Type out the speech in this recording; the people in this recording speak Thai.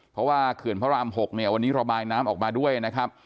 เพราะว่าเขื่อนพระราม๖เนี่ยวันนี้ระบายน้ำออกมาด้วยนะครับ